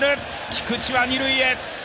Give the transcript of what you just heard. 菊池は二塁へ。